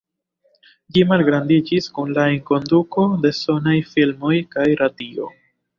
Ĝi malgrandiĝis kun la enkonduko de sonaj filmoj kaj radio.